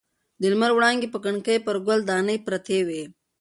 د لمر وړانګې په کړکۍ کې پر ګل دانۍ پرتې وې.